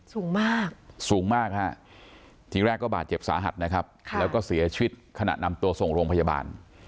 สูงมากสูงมากฮะทีแรกก็บาดเจ็บสาหัสนะครับแล้วก็เสียชีวิตขณะนำตัวส่งโรงพยาบาล